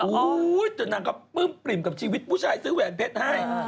จนนางก็ปลื้มปริ่มกับชีวิตผู้ชายซื้อแหวนเพชรให้